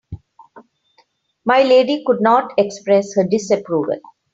My lady could not express her disapproval.